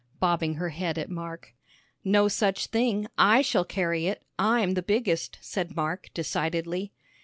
bobbing her head at Mark. "No such thing. I shall carry it; I'm the biggest," said Mark, decidedly.